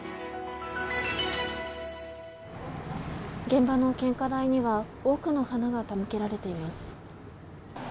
現場の献花台には多くの花が手向けられています。